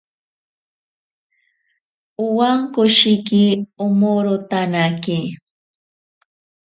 Awankoshiki omorotanake.